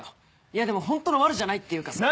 いやでもホントのワルじゃないっていうかさ。